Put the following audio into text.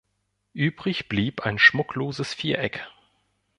Übrig blieb ein schmuckloses Viereck.